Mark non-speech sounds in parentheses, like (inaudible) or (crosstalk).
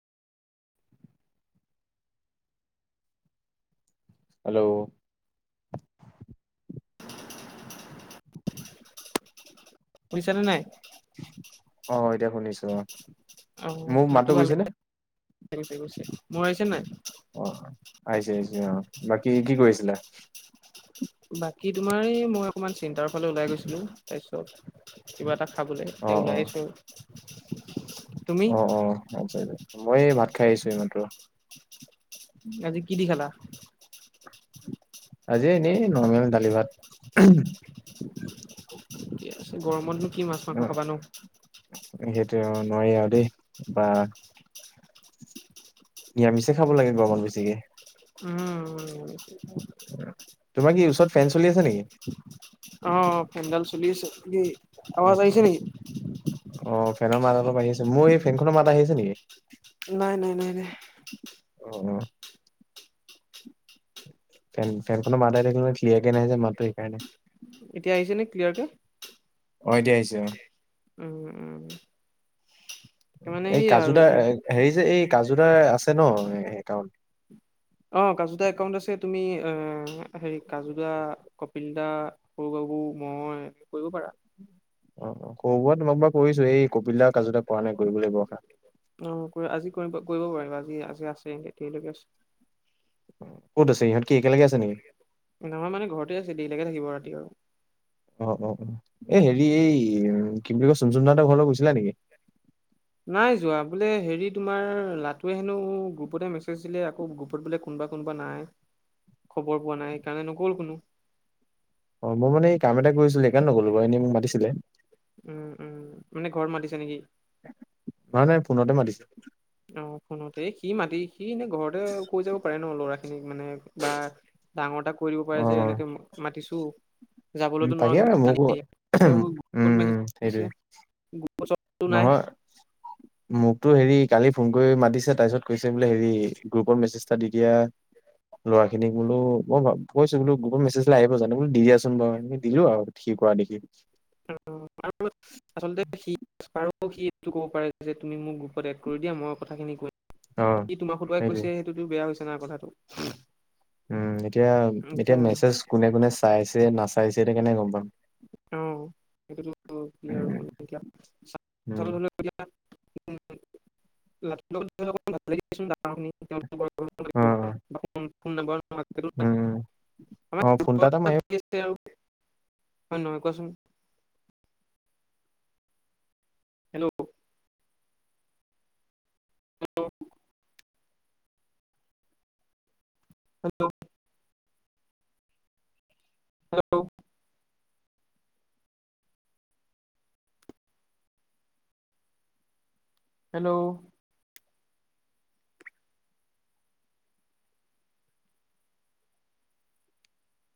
Hello শুনিচা নে নাই? অ এতিয়া শুনিছোঁ অ অ মোৰ মাটতো মাতটো ভাল গৈছে নে মোৰ আহিছে নাই (unintelligible) অ আহিছে আহিছ আহ বাকী কি কৰিছিলা বাকী তোমাৰ মই অকমান চিন্তাৰ ফালে ওলাই গৈছিলো তাৰপিছত কিবা এটা খাবলৈ অ এতিয়া অ ওলাই আহিছো আৰু তুমি অ অ আ মই ভাত খাই আহিছো এইমাএ আজি কি দি খালা আজি এনেই নৰ্মেল দালি ভাত ঠিক আছে গৰমতনো কি মাছ মাংস খাবা নো সেইটোৱে নোৱাৰি আৰু দেই বা নিৰামিষে খাব লাগে গৰমত বেছিকে উম উ তোমাৰ কি ওচৰত ফেন চলি আছে নেকি অ পেণ্ডেল চলি আছে কি অ আৱাজ অ আহিছে নেকি অ ফেনৰ মাত অলপ আহি আছে মোৰ এই ফেনখনৰ মাত আহিছে নেকি নাই নাই নাই নাই আহ ফেন ফেনখনৰ মাতাই থাকিলে ক্লিয়াৰ কে নাহে যে মাতটো সেইকাৰণে এতিয়া আহিছে নে ক্লিয়াৰ কে অ এতিয়া আহিছো উম উম মানে এই এইয়া কাজু আৰু দাৰ এতিয়া। হেৰি যে এই কাজুদাৰ আছে ন সে কাৰণ (unintelligible) অ কাজু দা একাউণ্ট আছে তুমি অ হেৰি কাজু দা কপিল দা সৰু (unintelligible) মই এনে কৰিব পাৰা অ ক'বত মই বা কৈছো এই (unintelligible) কবিলা কাজুদা কৰা নাই কৰিব লাগিব। অ কৰি আজি কৰিব কৰিব পাৰিবা আজি আছে আছে একেলৈকে আছে। কত আছে সিহঁত? নমাৰ মানে ঘৰতে আছে দেৰি লকে থাকিব ৰাতি আৰু এ হেৰি এই কি বুলি কয় চুনচুন দা হেতৰ ঘৰলৈ গৈছিলা নেকি? নাই যোৱা বোলে হেৰি তোমাৰ লাটোৱে হেনো গ্ৰুপতে মেছেজ দিলে আকৌ গ্ৰুপত বোলে কোন বা কোনোবা নাই খবৰ পোৱা নাই সেইকাৰণে নগ'ল কোনো অ মই মানে এই কাম এটা কৰিছিলো সেইকাৰণ নগ'লো বাৰু এনেই মোক মাতিছিলে উম উম মানে ঘৰত মাতিছো নেকি (inaudible) মাতিছিলে অ ফোনতে এ সি মাতি সি এনে ঘৰতে কৈ যাব পাৰে ন লৰা এ মানে বা ডাঙৰ এটা কৈ দিব অ পাৰে যে এনেকে মাতিছো উম তাকে মোকো যাবলৈতো উম নোৱাৰো উম সেইটোৱে খিনি নহয় মোক তো হেৰি কালি ফোন কৰি মাতিছে তাৰপিছত কৈছে বোলে হেৰি গ্ৰুপৰ মেছেজটা দি দিয়া ল'ৰা খিনিক বুলো ভ কৈছো গুগল মেছেজ দিলে আহিব জানো বোলো দিলিচোন বাৰু দিলো আৰু কোৱা নেকি উ আচলতে সি অ কি এইটো ক'ব পাৰে যে তুমি মোক গ্ৰুপত এদ কৰি দিয়া মই কথা খিনি কৈ অ সি তোমাৰ সুটুৱাই সেইটোৱে কৈছে সেইটোতো বেয়া হৈছে নাই কথাটো উম এতিয়া এতিয়া মেছেজ কোনে কোনে চাইছে নাচাইছে এতিয়া কেনেকে গম পাম। অ সেইটোতো কি উম, আৰু। উম, অ', (unintelligible) (inaudible) ফু নাম্বাৰ (unintelligible) উম, অ ফোন এটা এটা মাৰিবা। (unintelligible) হয় নহয় কোৱাচোন। Hello. Hello. Hello. Hello. Hello.